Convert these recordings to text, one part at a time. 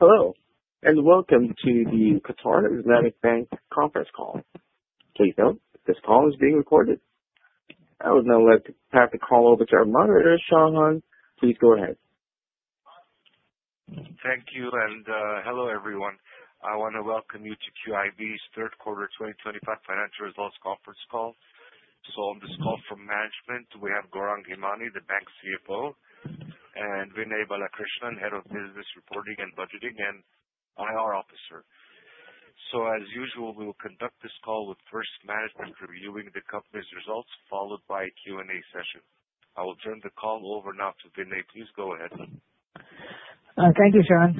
Hello and welcome to the Qatar Islamic Bank Conference Call. Please note this call is being recorded. I would now like to pass the call over to our moderator Shahan. Please go ahead. Thank you and hello everyone. I want to welcome you to QIB's Third Quarter 2025 Financial Results Conference Call, so on this call from management we have Gourang Hemani, the Bank's CFO, and Vinay Balakrishnan, Head of Business Reporting, Budgeting, and IR Officer, so as usual we will conduct this call with first management reviewing the company's results followed by a Q&A session. I will turn the call over now to Vinay. Please go ahead. Thank you, Shahan.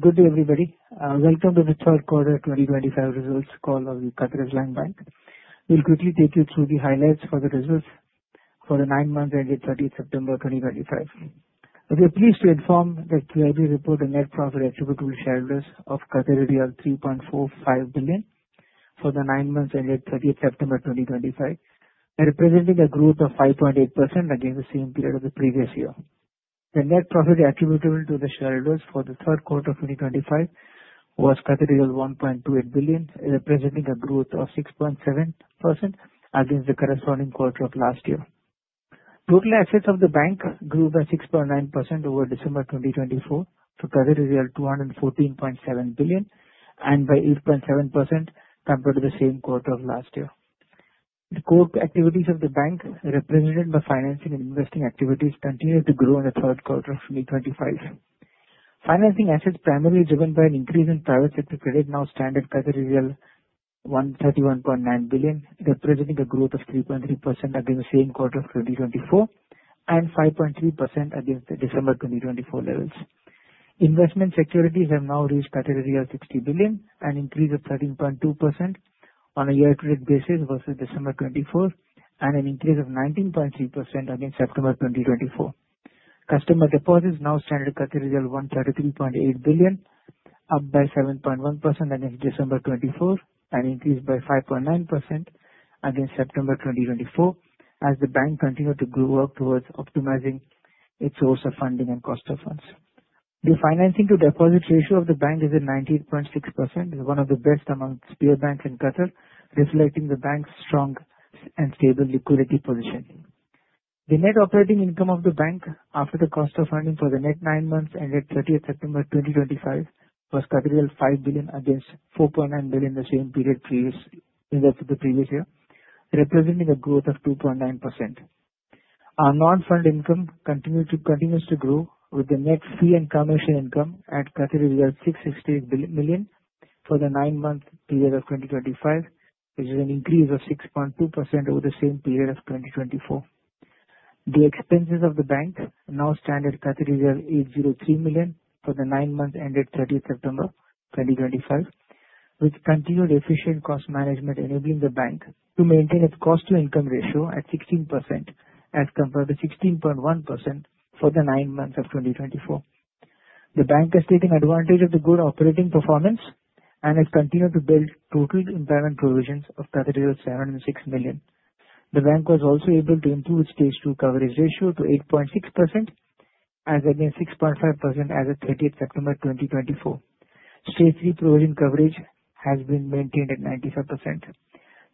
Good day, everybody. Welcome to the Third Quarter 2025 Results. Call of the Qatar Islamic Bank. We'll quickly take you through the highlights for the results for the nine months ended 30th September 2025. We are pleased to inform that QIB report the net profit attributable to shareholders of 3.45 billion for the nine months ended 30 September 2025 representing a growth of 5.8% against the same period of the previous year. The net profit attributable to the shareholders for the third quarter of 2025 was 1.28 billion representing a growth of 6.7% against the corresponding quarter of last year. Total assets of the bank grew by 6.9% over December 2024 to 214.7 billion and by 8.7% compared to the same quarter of last year. The core activities of the bank represented by financing and investing activities continued to grow in the third quarter of 2025. Financing assets primarily driven by an increase in private sector credit now stand at 131.9 billion representing a growth of 3.3% against the same quarter of 2024 and 5.3% against the December 2024 levels. Investment securities have now reached 60 billion, an increase of 13.2% on a year-to-date basis versus December 2024 and an increase of 19.3% against September 2024. Customer deposits now stand at 133.8 billion up by 7.1% against December 2024 and increased by 5.9% against September 2024 as the bank continued to work towards optimizing its source of funding and cost of funds. The financing to deposit ratio of the bank is at 98.6%, one of the best among peer banks in Qatar reflecting the bank's strong and stable liquidity position. The net operating income of the bank after the cost of funding for the nine months ended 30th September 2025 was 5 billion against 4.9 billion in the same period previous in the previous year representing a growth of 2.9%. Our non fund income continues to grow with the net fee and commercial income at 668 million for the nine month period of 2025 which is an increase of 6.2% over the same period of 2024. The expenses of the bank now stood at 803 million for the nine months ended 30th September 2025 with continued efficient cost management enabling the bank to maintain its cost to income ratio at 16% as compared to 16.1% for the nine months of 2024. The bank is taking advantage of the good operating performance and has continued to build total impairment provisions of 706 million. The Bank was also able to improve Stage 2 coverage ratio to 8.6% as against 6.5% as of 30 September 2024. Stage 3 provision coverage has been maintained at 95%.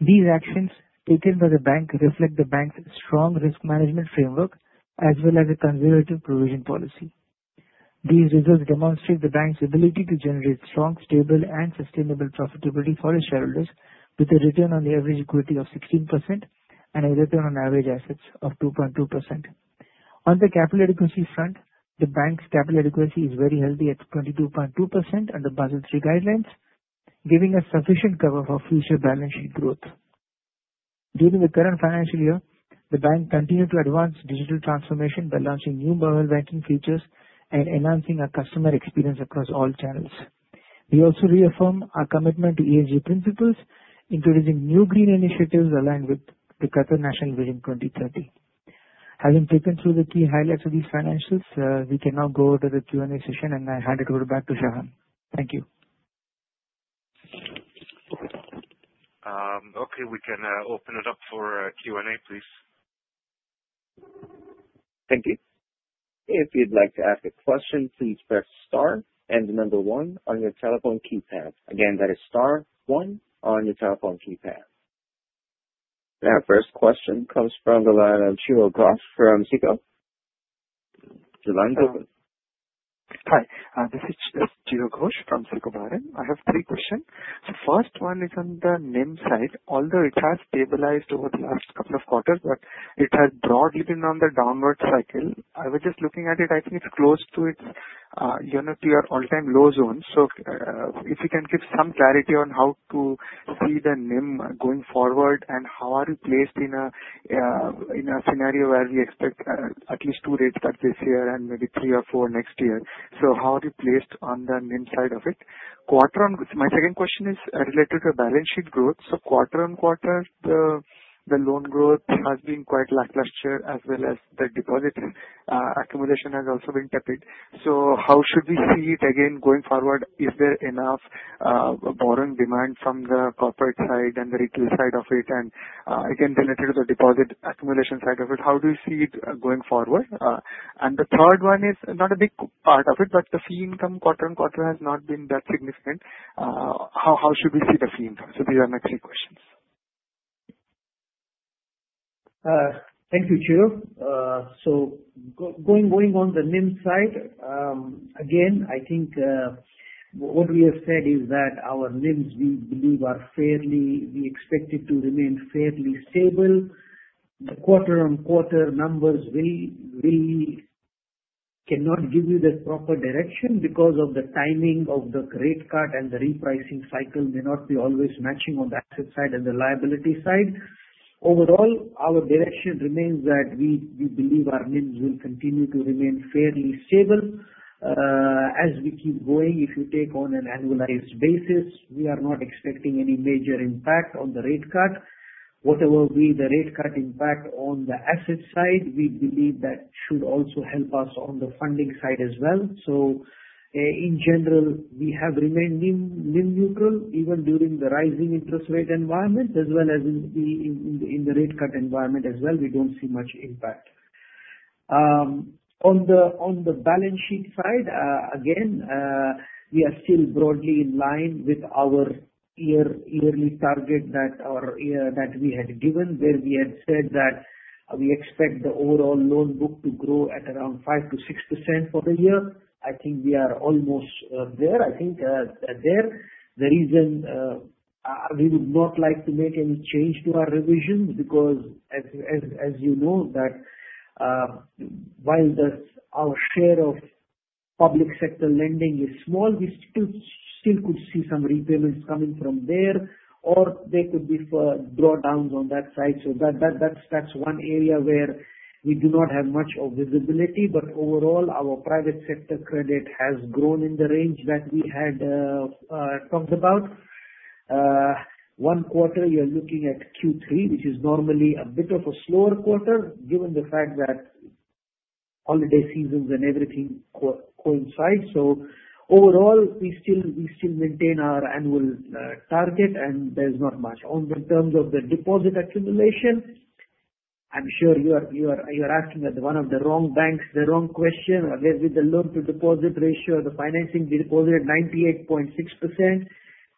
These actions taken by the Bank reflect the Bank's strong risk management framework as well as a conservative provision policy. These results demonstrate the Bank's ability to generate strong, stable and sustainable profitability for its shareholders with a return on the average equity of 16% and a return on average assets of 2.2%. On the capital adequacy front, the Bank's capital adequacy is very healthy at 22.2% under Basel III guidelines, giving us sufficient cover for future balance sheet growth. During the current financial year, the Bank continued to advance digital transformation by launching new mobile banking features and enhancing our customer experience across all channels. We also reaffirm our commitment to ESG principles, introducing new green initiatives aligned with the Qatar National Vision 2030. Having taken through the key highlights of these financials, we can now go to the Q&A session and I hand it over back to Shahan. Thank you. Okay, we can open it up for Q and A, please. Thank you. If you'd like to ask a question, please press star and the number one on your telephone keypad again. That is star one on your telephone keypad. First question comes from the line of Chiro Ghosh from SICO. Hi, this is Chiro Ghosh from SICO Bahrain. I have three questions. The first one is on the NIM side. Although it has stabilized over the last. Couple of quarters but it has broadly been on the downward cycle. I was just looking at it. I think it's close to its all-time low zone. So if you can give some clarity on how to see the NIM going forward and how are you placed in a scenario where we expect at least two rate cuts this year and maybe three or four next year? So, how are you placed on the? NIM side of it? My second question is related to balance sheet growth, so quarter on quarter the loan growth has been quite lackluster as well as the deposit accumulation has also been tepid, so how should we see it again going forward? Is there enough borrowing demand from the corporate side and the retail side of it, and again related to the deposit accumulation side of it, how do you see it going forward, and the third one is not a big part of it, but the fee income quarter-on-quarter has not been that significant, how should we see the fee income, so these are my three questions. Thank you, Chiro. So going on the NIM side again, I think what we have said is that our NIMs we believe are fairly, we expect it to remain fairly stable. The quarter on quarter numbers, we. Cannot. Give you the proper direction because of the timing of the rate cut and the repricing cycle may not be always matching on the asset side and the liability side. Overall, our direction remains that we believe our NIMs will continue to remain fairly stable as we keep going. If you take on an annualized basis, we are not expecting any major impact on the rate cut. Whatever be the rate cut impact on the asset side, we believe that should also help us on the funding side as well. So in general we have remained NIM neutral even during the rising interest rate environment as well as in the rate cut environment as well. We don't see much impact. On the balance sheet side. Again we are still broadly in line with our yearly target that we had given where we had said that we expect the overall loan book to grow at around 5%-6% for the year. I think we are almost there. I think that's the reason we would not like to make any change to our revisions because as you know that while our share of public sector lending is small, we still could see some repayments coming from there or there could be drawdowns on that side. So that's one area where we do not have much visibility. But overall our private sector credit has grown in the range that we had talked about. One quarter you're looking at Q3, which is normally a bit of a slower quarter. Given the fact that holiday seasons and everything coincide, so overall we still maintain our annual target and there's not much in terms of the deposit accumulation. I'm sure you are asking one of the wrong banks the wrong question. With the loan-to-deposit ratio, the financing-to-deposit 98.6%.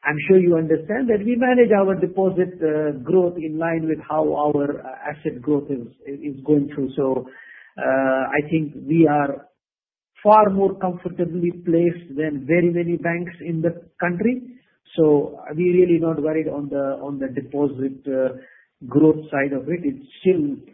I'm sure you understand that we manage our deposit growth in line with how our asset growth is going through, so I think we are far more comfortably placed than very many banks in the country, so we really not worried. On the deposit growth side of it, it's still.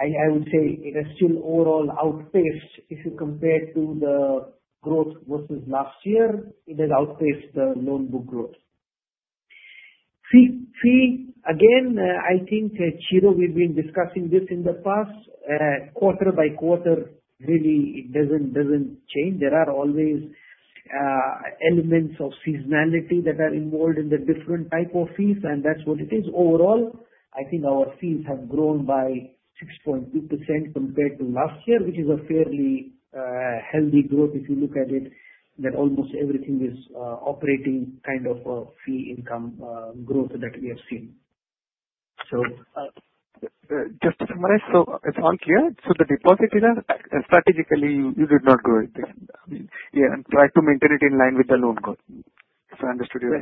I would say it is still overall outpaced. If you compare to the growth versus last year, it has outpaced the loan book growth. Fee. Again, I think, Chiro, we've been discussing this in the past quarter by quarter. Really doesn't change. There are always elements of seasonality that are involved in the different type of fees, and that's what it is. Overall, I think our fees have grown by 6.2% compared to last year, which is a fairly healthy growth. If you look at it, that almost everything is operating kind of fee income growth that we have seen. So just to summarize, so it's all clear, so the deposit strategically you did not grow it and try to maintain it in line with the loan growth. If I understood you?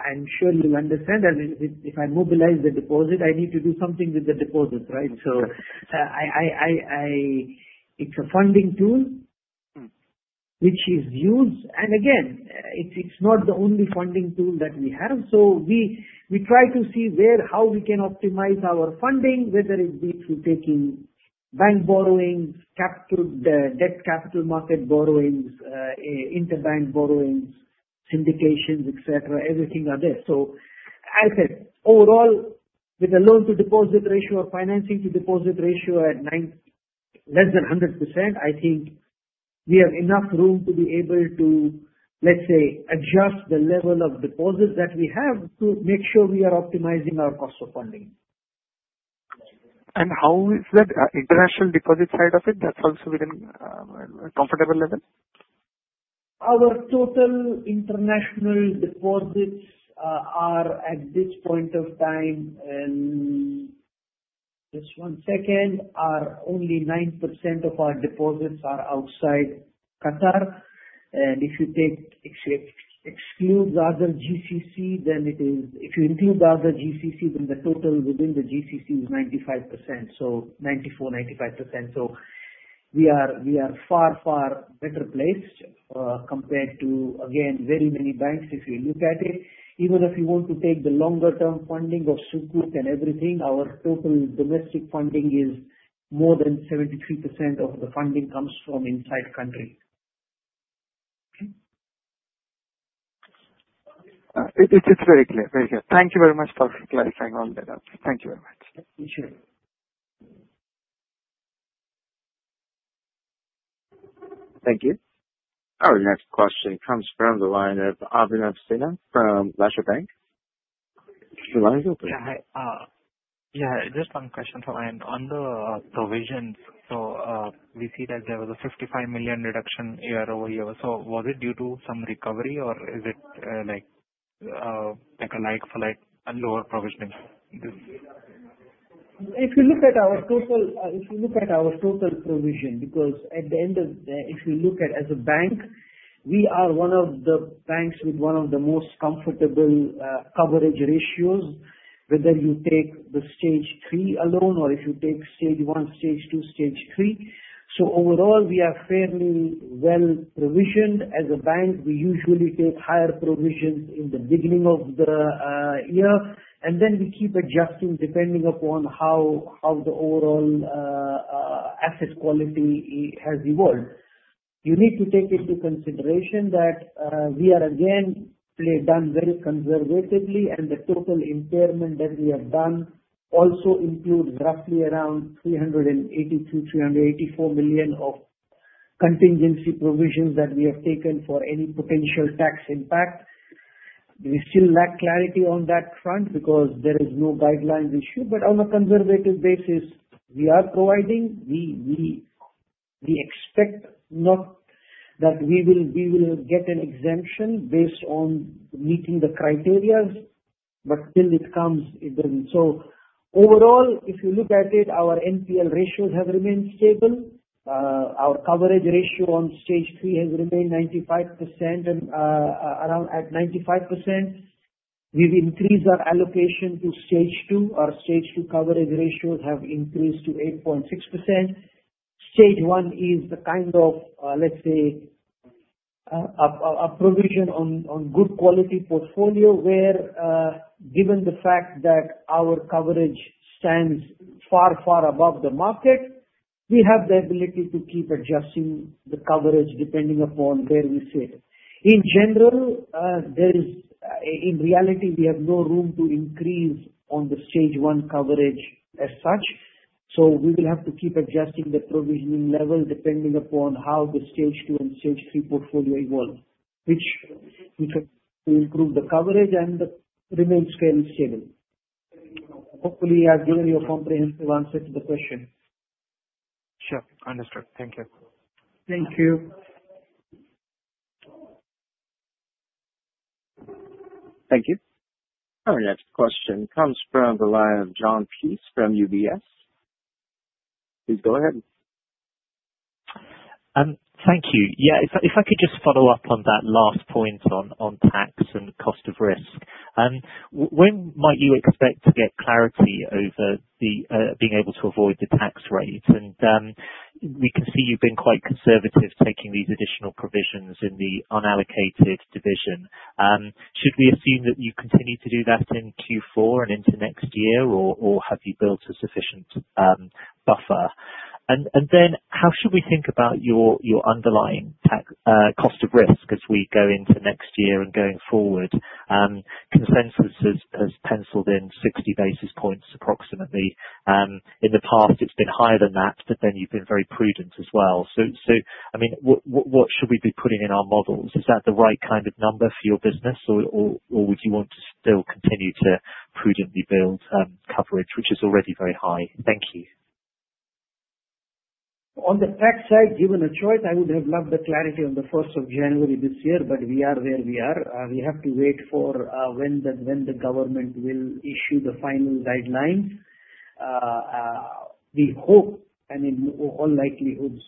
I'm sure you understand if I mobilize the deposit, I need to do something with the deposit. Right. So. It's a funding tool which is used, and again, it's not the only funding tool that we have. So we try to see how we can optimize our funding, whether it be through taking bank borrowings, debt, capital market borrowings, interbank borrowings, syndications, etc. Everything are there. So I said overall, with the loan to deposit ratio or financing to deposit ratio at less than 100%, I think we have enough room to be able to, let's say, adjust the level of deposits that we have to make sure we are optimizing our cost of funding. And how is that international deposit side of it? That's also within comfortable level. Our total international deposits are at this point of time in. Just one second, only 9% of our deposits are outside Qatar. And if you exclude other GCC then it is. If you include the other GCC then the total within the GCC is 95%. So 94%-95%. So we are far, far better placed compared to, again, very many banks. If you look at it, even if you want to take the longer term funding of sukuk and everything, our total domestic funding is more than 73% of the funding comes from inside countries. It's very clear. Very clear. Thank you very much for clarifying on that. Thank you very much. Thank you. Our next question comes from the line of Abhinav Sinha from Lesha Bank. The line is open. Yeah. Just one question for. On the provisions, so we see that there was a 55 million reduction year-over-year. So was it due to some recovery? Or is it like? Like for like lower provisioning? If you look at our total provision. As a bank, we are one of the banks with one of the most comfortable coverage ratios, whether you take Stage 3 alone or if you take Stage 1, Stage 2, Stage 3. So overall we are fairly well provisioned as a bank. We usually take higher provisions in the beginning of the year and then we keep adjusting depending upon how the overall asset quality has evolved. You need to take into consideration that we have again done very conservatively and the total impairment that we have done also includes roughly around 382 million-384 million of contingency provisions that we have taken for any potential tax impact. We still lack clarity on that front because there are no guidelines issued. But on a conservative basis, we are providing. We expect, not that we will get an exemption based on meeting the criteria, but till it comes, it doesn't. So overall, if you look at it, our NPL ratios have remained stable. Our coverage ratio on Stage 3 has remained 95%. At 95%, we've increased our allocation to Stage 2. Our Stage 2 coverage ratios have increased to 8.6%. Stage 1 is the kind of, let's say. A provision on good quality portfolio where given the fact that our coverage stands far, far above the market, we have the ability to keep adjusting the coverage depending upon where we sit. In general, there is, in reality, we have no room to increase on the Stage one coverage as such. So we will have to keep adjusting the provisioning level depending upon how the Stage two and Stage three portfolio evolve, which will improve the coverage and remain fair and stable, hopefully. I've given you a comprehensive answer to the question. Sure. Understood. Thank you. Thank you. Thank you. Our next question comes from the line of Jon Peace from UBS. Please go ahead. Thank you. Yeah, if I could just follow up. On that last point on tax and cost of risk, when might you expect to get clarity over being able to avoid the tax rate, and we can see you've been quite conservative taking these additional provisions in the unallocated division. Should we assume that you continue to do that in Q4 and into next year or have you built a sufficient buffer and then how should we think about your underlying cost of risk as we go into next year and going forward, consensus has penciled in 60 basis points of approximately in the past, it's been higher than that, but then you've been very prudent as well, so I mean, what should we be putting in our models? Is that the right kind of number for your business or would you want to still continue to prudently build coverage which is already very high? Thank you. On the tax side, given a choice, I would have loved the clarity on the 1st of January this year, but we are where we are. We have to wait for when the government will issue the final guidelines. We hope and in all likelihood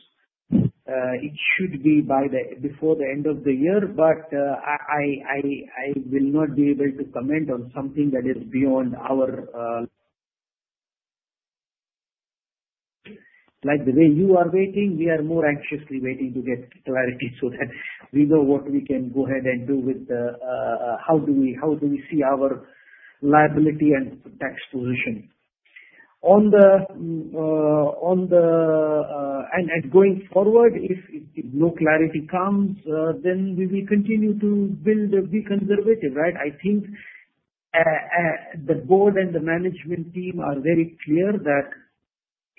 it should be before the end of the year, but I will not be able to comment on something that is beyond our. Like the way you are waiting. We are more anxiously waiting to get clarity so that we know what we can go ahead and do with how do we see our liability and tax position on the and going forward. If no clarity comes, then we will continue to build, be conservative, right? I think. The board and the management team are very clear that.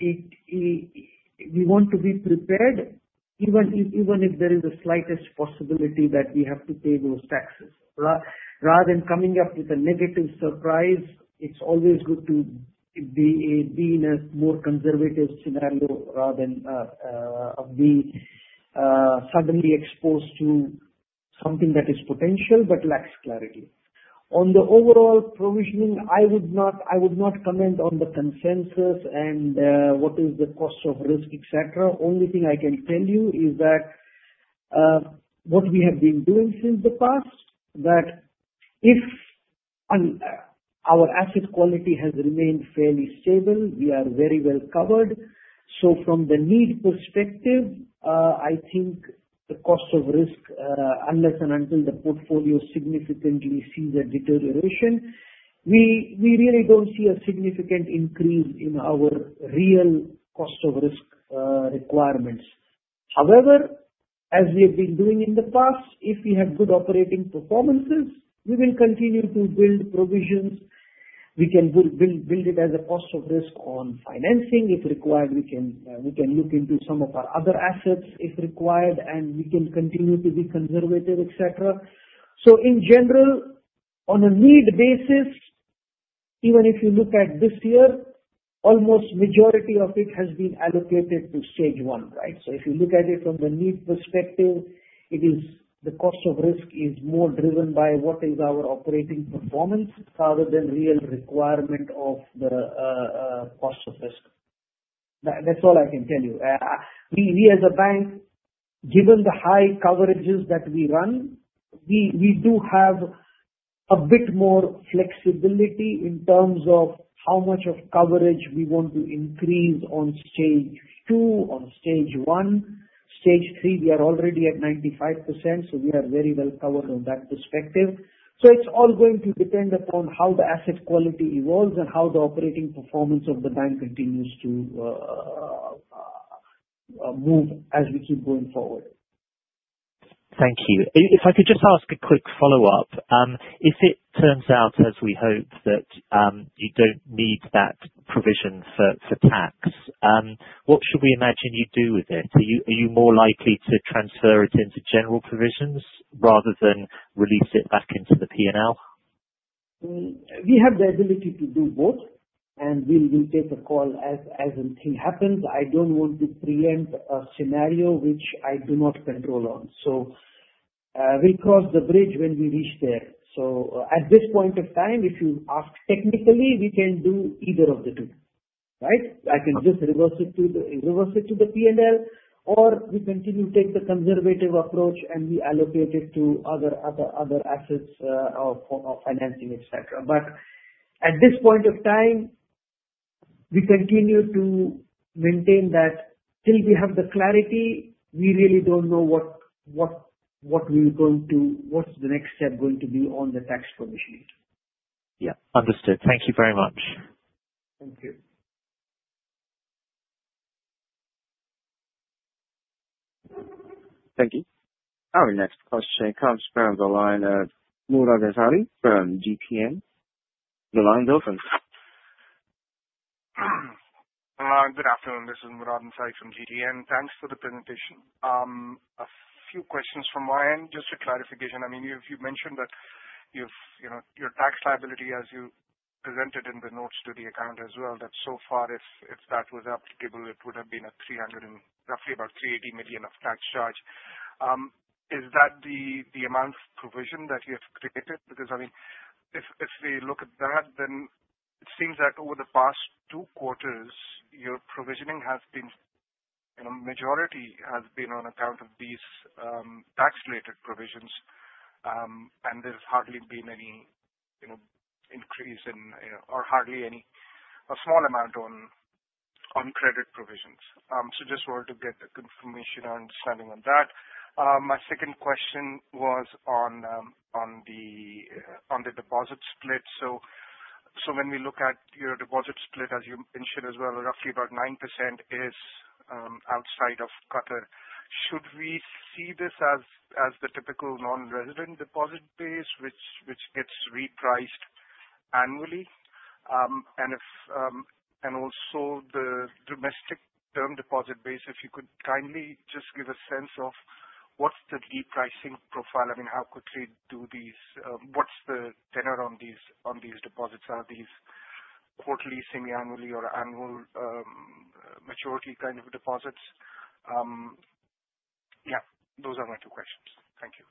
We want to be prepared even if there is a slightest possibility that we have to pay those taxes rather than coming up with a negative surprise. It's always good to be in a more conservative scenario rather than be suddenly exposed to something that is potential but lacks clarity on the overall provisioning. I would not comment on the consensus and what is the cost of risk, etc. Only thing I can tell you is that. What we have been doing since the past that if. Our asset quality has remained fairly stable. We are very well covered. So from the need perspective, I think the cost of risk, unless and until the portfolio significantly sees a deterioration, we really don't see a significant increase in our real cost of risk requirements. However, as we have been doing in the past, if we have good operating performances, we will continue to build provisions. We can build it as a cost of risk on financing if required. We can look into some of our other assets if required, and we can continue to be conservative, etc. So in general, on a need basis, even if you look at this year, almost majority of it has been allocated to Stage 1, right? So if you look at it from the need perspective, it is the cost of risk is more driven by what is our operating performance rather than real requirement of the cost of risk. That's all I can tell you. We as a bank, given the high coverages that we run, we do have a bit more flexibility in terms of how much of coverage we want to increase on stage two or stage one. Stage 3, we are already at 95%, so we are very well covered on that perspective. So it's all going to depend upon how the asset quality evolves and how the operating performance of the bank continues. To. Move as we keep going forward. Thank you. If I could just ask a quick follow up. If it turns out as we hope, that you don't need that provision for tax, what should we imagine you do with it? Are you more likely to transfer it into general provisions rather than release it back into the P&L? We have the ability to do both, and we will take a call as something happens. I don't want to preempt a scenario which I do not control, so will cross the bridge when we reach there, so at this point of time, if you ask, technically we can do either of the two, right? I can just reverse it to the P&L or we continue to take the conservative approach and we allocate it to other assets, financing, etc., but at this point of time we continue to maintain that till we have the clarity. We really don't know what we're going to. What's the next step going to be on the tax provisioning? Yeah, understood. Thank you very much. Thank you. Thank you. Our next question comes from the line of Murad Ansari from GTN. Your line is open. Good afternoon, this is Murad Ansari from GTN. Thanks for the presentation. A few questions from Ryan. Just a clarification. I mean you mentioned that your tax liability as you presented in the notes to the account as well that so far if that was applicable it would have been roughly 300 million-380 million of tax charge. Is that the amount of provision that you have created? Because I mean if we look at that then it seems that over the past two quarters your provisioning has been majority on account of these tax related provisions and there's hardly been any increase or a small amount on credit provisions. So just wanted to get the confirmation understanding of that. My second question was on. On the deposit split. So when we look at your deposit split as you mentioned as well, roughly about 9% is outside of Qatar. Should we see this as the typical non resident deposit base which gets repriced annually? And also the domestic term deposit base. If you could kindly just give a sense of what's the repricing profile? I mean, how quickly do these, what's the tenor on these deposits? Are these quarterly, semiannually or annual maturity kind of deposits? Yeah, those are my two questions. Thank you.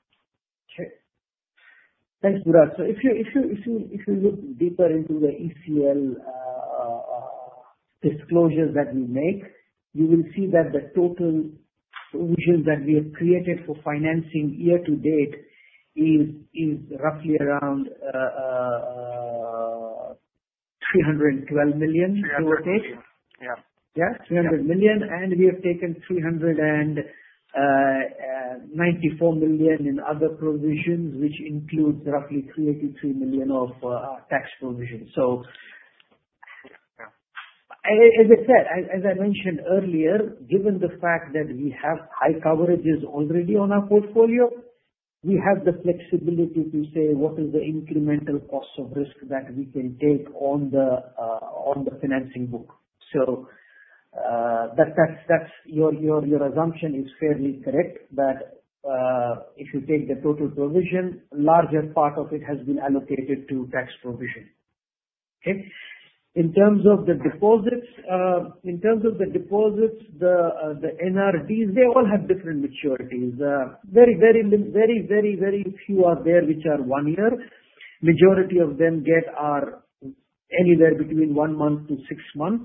Thanks Murad. So if you look deeper into the ECL. Disclosures that we make, you will see that the total provision that we have created for financing year to date is roughly around. 312 million. Year to date? Yes, 300 million and we have taken 394 million in other provisions which includes roughly 383 million of tax provisions. So. As I mentioned earlier, given the fact that we have high coverages already on our portfolio, we have the flexibility to say what is the incremental cost of risk that we can take on the financing book. So. Your assumption is fairly correct that if you take the total provision, larger part of it has been allocated to. Tax provision. In terms of the deposits, the NRDs, they all have different maturities. Very few are there which are one year. Majority of them are anywhere between one month to six-month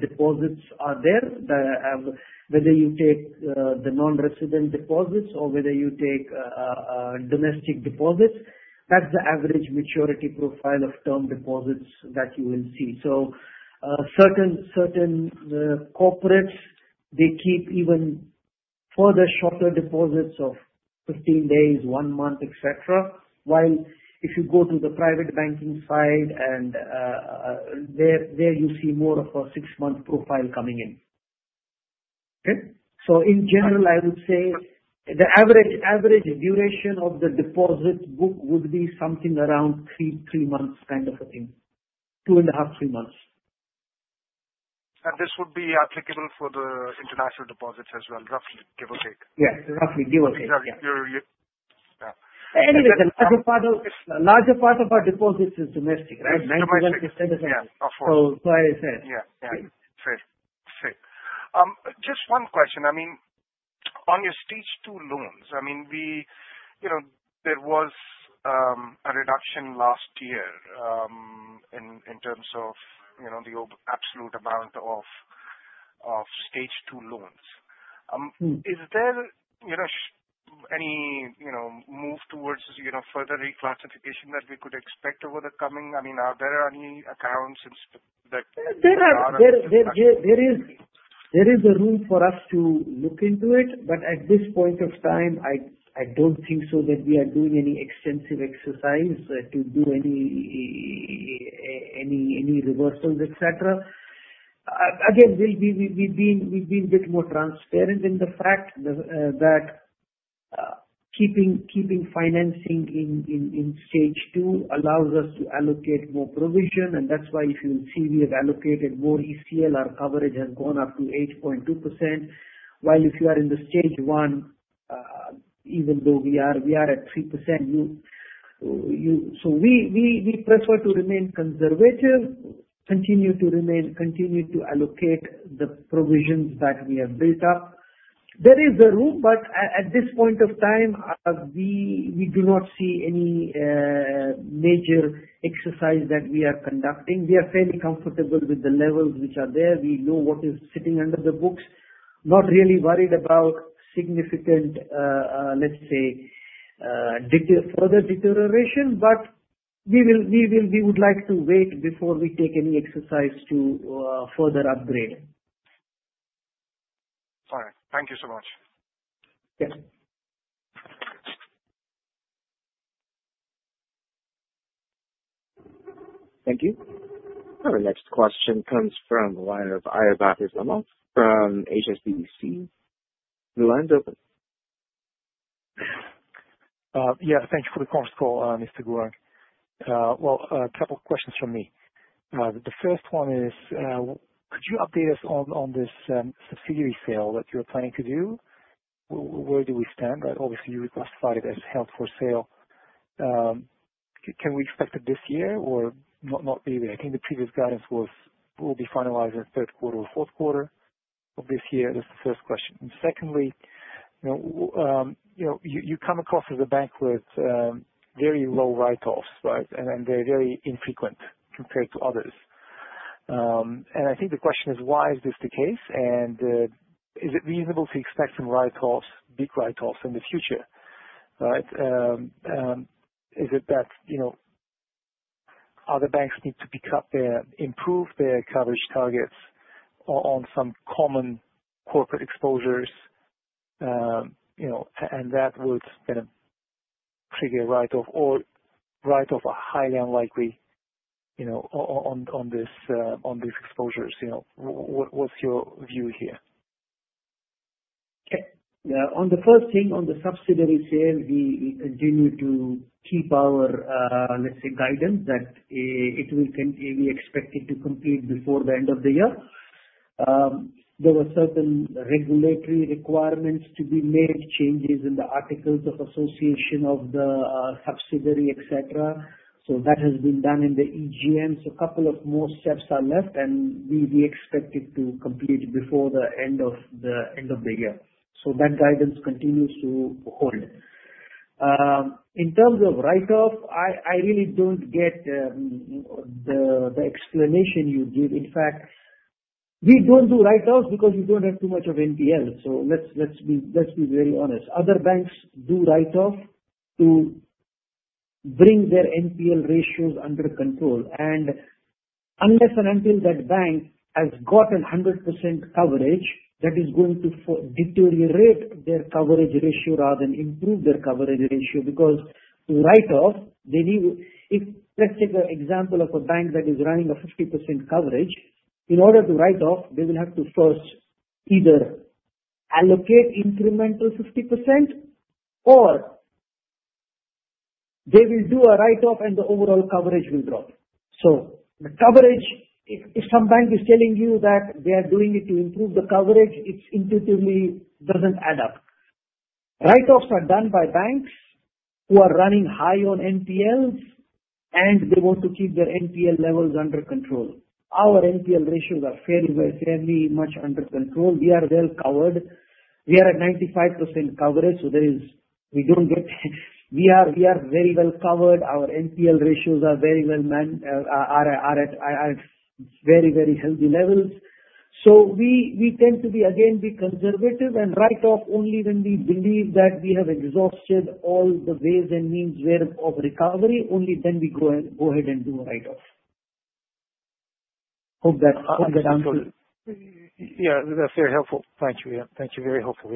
deposits are there whether you take the non-resident deposits or whether you take domestic deposits. That's the average maturity profile of term deposits that you will see. So certain corporates, they keep even further shorter deposits of 15 days, one month etc. While if you go to the private banking side and there you see more of a six-month profile coming in. In general I would say the average duration of the deposit book would be something around three months kind of a thing, two and a. Half, three months. This would be. Applicable for the international deposits as well. Roughly, give or take. Yeah, roughly give or take. Anyway a larger part of our deposits is domestic. Right. So quite. Yeah, fair. Just one question, I mean on your Stage 2 loans, I mean there was a reduction last year in terms of the absolute amount of Stage 2 loans. Is there any move towards further reclassification that we could expect over the coming. I mean are there any accounts. There is room for us to look into it, but at this point of time, I don't think so that we are doing any extensive exercise to do any. Reversals, etc. Again, we've been a bit more transparent in the fact that. Keeping financing in stage two allows us to allocate more provision, and that's why, if you see, we have allocated more ECL, our coverage has gone up to 8.2%, while if you are in the stage one even though we are at 3%. So we prefer to remain conservative, continue to remain, continue to allocate the provisions that we have built up. There is a room but at this point of time we do not see any major exercise that we are conducting. We are fairly comfortable with the levels which are there. We know what is sitting under the books. Not really worried about significant, let's say further deterioration but we would like to wait before we take any exercise to further upgrade. All right, thank you so much. Thank you. Our next question comes from the line of Aybek Islamov from HSBC. The line's open. Yeah. Thank you for the conference call, Mr. Gourang. Well, a couple of questions from me. The first one is could you update us on this subsidiary sale that you're planning to do? Where do we stand? Obviously, you requested as held for sale. Can we expect it this year or not? Really, I think the previous guidance will be finalized in the third quarter or fourth quarter of this year. That's the first question. Secondly. You know, you come across as a bank with very low write-offs, right, and they're very infrequent compared to others. I think the question is why. Is this the case and is it reasonable to expect some write-offs, big write-offs in the future? Right. Is it that, you know, other banks. Need to pick up there. Improve there. Coverage targets or on some common corporate exposures, you know, and that would trigger write-off or write-off a highly unlikely, you know, on these exposures, you know. What's your view here? On the first thing on the subsidiary sale, we continue to keep our, let's say guidance that it will continue. We expect it to complete before the end of the year. There were certain regulatory requirements to be made, changes in the Articles of Association of the subsidiary, etc. So that has been done in the EGM. So a couple of more steps are left and we expect it to complete before the end of the year so that guidance continues to hold. In terms of write-off, I really don't get the explanation you give. In fact, we don't do write-offs because you don't have too much of NPL. So let's be very honest, other banks do write-offs to bring their NPL ratios under control, and unless and until that bank has got 100% coverage that is going to deteriorate their coverage ratio rather than improve their coverage ratio because to write-off they need, if, let's take an example of a bank that is running a 50% coverage in order to write-off they will have to first either allocate incremental 50% or. They will do a write-off and the overall coverage will drop. So the coverage, if some bank is telling you that they are doing it to improve the coverage, it's intuitively doesn't add up. Write-offs are done by banks who are running high on NPLs and they want to keep their NPL levels under control. Our NPL ratios are fairly much under control. We are well covered. We are at 95% coverage. We are very well covered. Our NPL ratios are very well. I have very healthy levels. So we tend to be conservative and write-off only when we believe that we have exhausted all the ways and means of recovery. Only then we go ahead and do a write-off. Hope that. Yeah, that's very helpful, thank you. Thank you. Very helpful.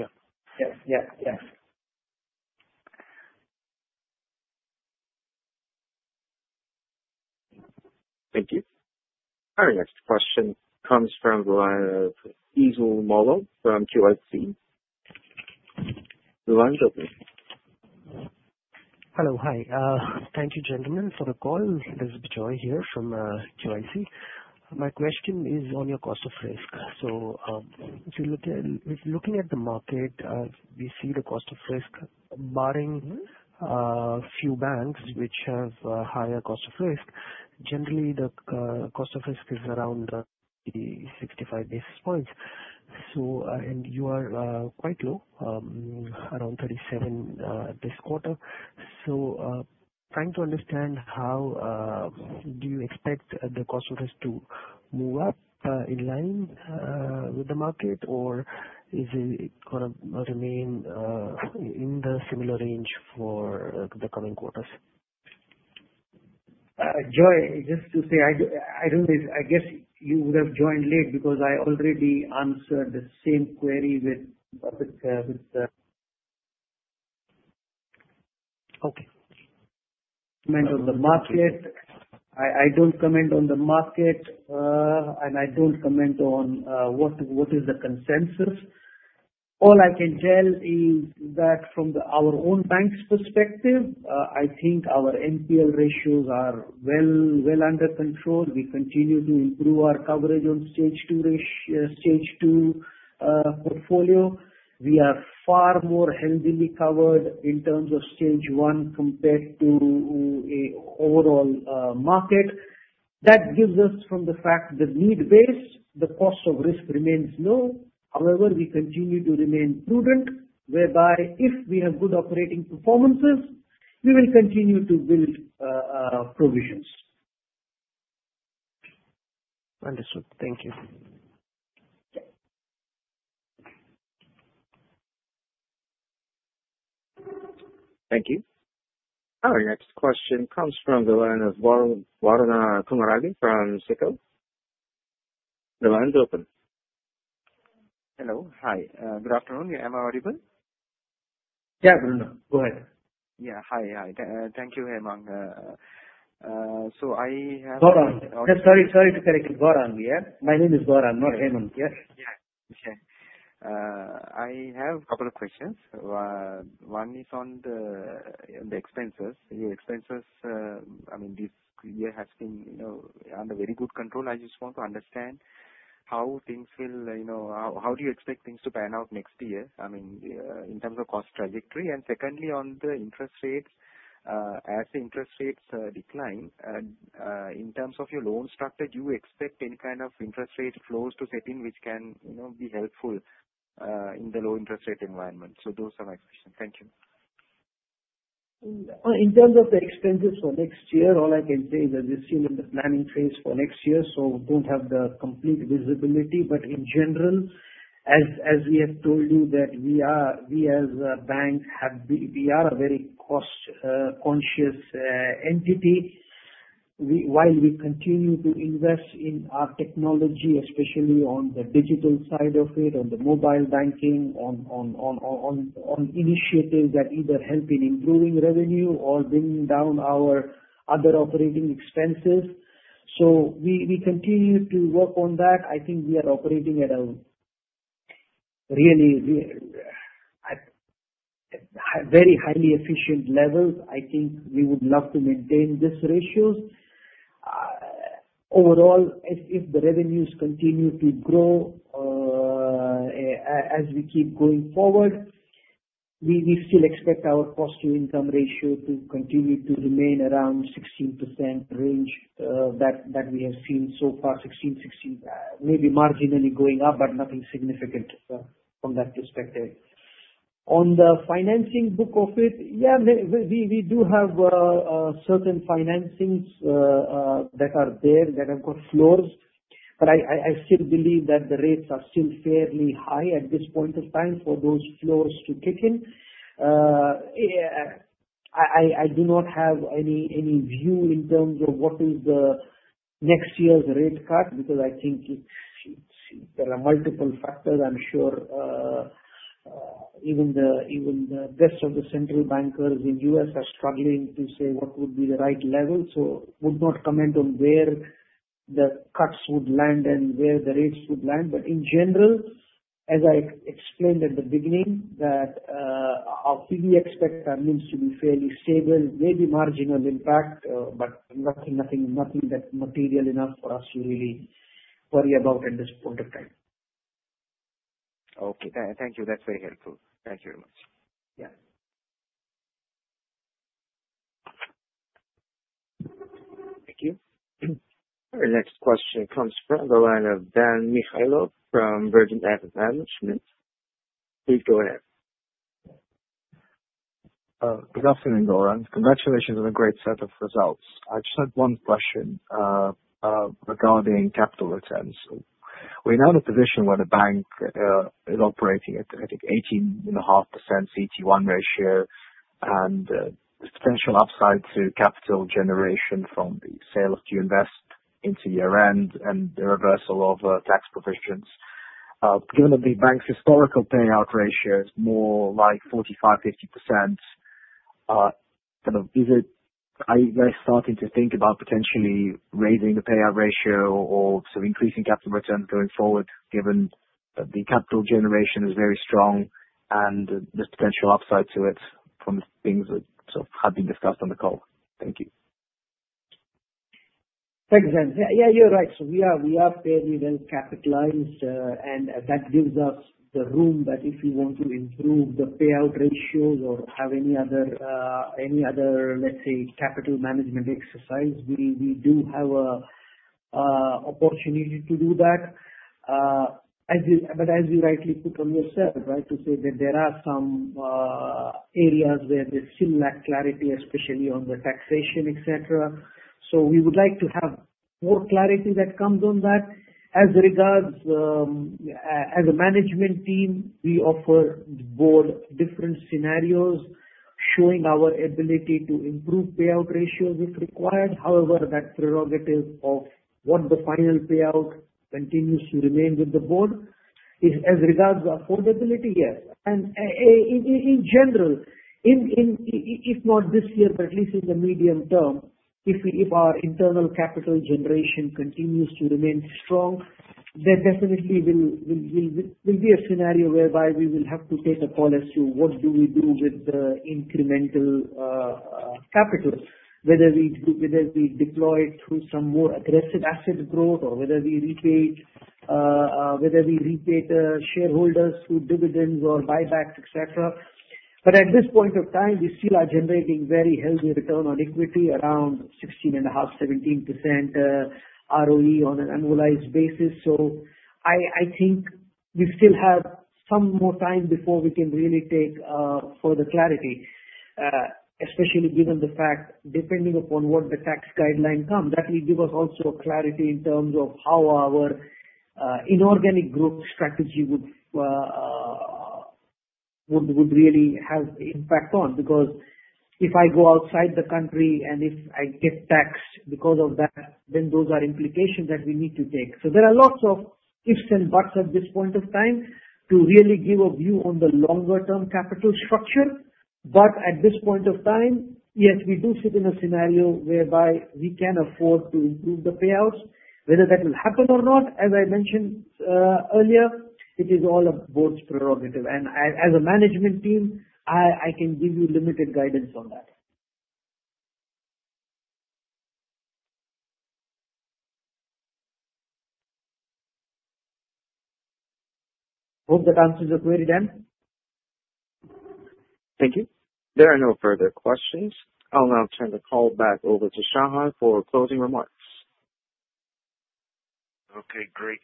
Thank you. Our next question comes from Izzul Molob from QIC. Hello. Hi. Thank you gentlemen for the call. Bijoy Joy here from QIC. My question is on your cost of risk. So. Looking at the market, we see the cost of risk, barring few banks which have higher cost of risk. Generally, the cost of risk is around 65 basis points, and you are quite low around 37 this quarter, so trying to understand how do you expect the cost of risk to move up in line with the market or is. It's going to remain in the similar. Range for the coming quarters? Joy, just to say, I don't know, I guess you would have joined late because I already answered the same query. Okay. I don't comment on the market and I don't comment on what is the consensus. All I can tell is that from our own bank's perspective, I think our NPL ratios are well under control. We continue to improve our coverage on stage two portfolio. We are far more healthily covered in terms of stage one compared to overall market. That gives us from the fact that need base the cost of risk remains low. However, we continue to remain prudent whereby if we have good operating performances we will continue to build provisions. Understood. Thank you. Thank you. Our next question comes from the line of Waruna Kumarage from SICO. The line's open. Hello. Hi, good afternoon. Am I audible? Yeah, go ahead. Yeah. Hi. Hi. Thank you. Hemani. So I have. Sorry, sorry to correct you. Gourang. Yeah, my name is Gourang, not Hemani. Yeah. I have a couple of questions. One is on the. Your expenses. I mean this year has been under very good control. I just want to understand how things will, you know, how do you expect things to pan out next year? I mean in terms of cost trajectory and secondly on the interest rates. As interest rates decline in terms of your loan structure, do you expect any kind of interest rate floors to set in which can be helpful in the low interest rate environment? So those are some questions. In terms of the expenses for next year, all I can say is that we've seen the planning phase for next year, so don't have the complete visibility, but in general, as we have told you that we as a bank, we are a very cost-conscious entity. While we continue to invest in our technology, especially on the digital side of it, on the mobile banking, on initiatives that either help in improving revenue or bringing down our other operating expenses, so we continue to work on that. I think we are operating at a really. Very highly efficient level. I think we would love to maintain this ratio. Overall. If the revenues continue to grow. As we keep going forward, we still expect our cost-to-income ratio to continue to remain around 16% range that we have seen so far. 16%, 16% maybe marginally going up, but nothing significant from that perspective on the financing book of it. Yeah, we do have certain finances things that are there that have got floors, but I still believe that the rates are still fairly high at this point of time for those floors to kick in. I do not have any view in terms of what is next year's rate cut because I think there are multiple factors. I'm sure. Even the best of the central bankers in us are struggling to say what would be the right level, so would not comment on where the cuts would land and where the rates would land. But in general, as I explained at the beginning, that we expect our NIMs to be fairly stable, maybe marginal impact, but nothing that material enough for us to really worry about at this point of time. Okay, thank you, that's very helpful. Thank you very much. Thank you. Our next question comes from the line of Dan Mikhaylov from Vergent Asset Management. Please go ahead. Good afternoon, Gourang. Congratulations on a great set of results. I just had one question regarding capital returns. We're now in a position where the bank is operating at 18.5% CET1 ratio and potential upside to capital generation from the sale of QInvest into year end and the reversal of tax provisions. Given that the bank's historical payout ratio is more like 45%-50%. Are you guys starting to think about potentially raising the payout ratio or so increasing capital returns going forward given the capital generation is very strong and there's potential upside to it from things that? Have been discussed on the call. Thank you. Thanks, Dan. Yes, you're right. So we are fairly well capitalized and that gives us the room that if you want to improve the payout ratios or have any other, let's say, capital management exercise, we do have a opportunity to do that. But as you rightly put on yourself, right, to say that there are some areas where they still lack clarity, especially on the taxation, etc. So we would like to have more clarity that comes on that. As regards a management team, we offer board different scenarios showing our ability to improve payout ratios if required. However, that prerogative of what the final payout continues to remain with the board. As regards affordability, yes. And in general. If not this year, but at least in the medium term, if our internal capital generation continues to remain strong, there definitely will be a scenario whereby we will have to take a policy. What do we do with the incremental? Capital, whether we deploy it through some more aggressive asset growth or whether we repay the shareholders through dividends or buybacks, et cetera. But at this point of time, we still are generating very healthy return on equity, around 16.5%, 17% ROE on an annualized basis. So I think we still have some more time before we can really take further clarity, especially given the fact, depending upon what the tax guideline comes, that will give us also clarity in terms of how our inorganic growth strategy. Would really have impact on, because if I go outside the country and if I get taxed because of that, then those are implications that we need to take, so there are lots of ifs and buts at this point of time to really give a view on the longer term capital structure, but at this point of time, yes, we do sit in a scenario whereby we can afford to improve the payouts, whether that will happen or not, as I mentioned earlier, it is all a board's prerogative, and as a management team, I can give you limited guidance on that. Hope that answers your query, Dan. Thank you. There are no further questions. I'll now turn the call back over to Shahan for closing remarks. Okay, great.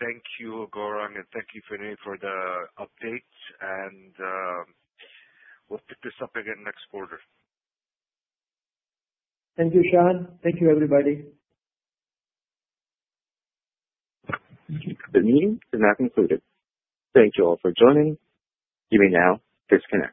Thank you, Gourang, and thank you, Vinay, for the updates and. We'll pick this up again next quarter. Thank you, Shahan. Thank you, everybody. The meeting is now concluded. Thank you all for joining. You may now disconnect.